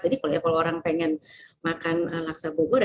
jadi kalau orang pengen makan laksa bogor